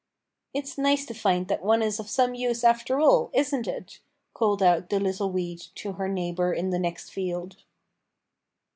"It's nice to find that one is of some use after all, isn't it?" called out the little weed to her neighbour in the next field.